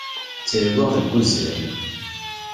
Ttarguɣ deg uzal.